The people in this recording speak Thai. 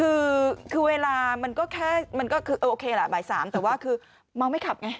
เรียบร้อยคือเวลามันก็แค่มันก็คือโอเคแหละบ่าย๓แต่ว่าคือมองไม่ขับไง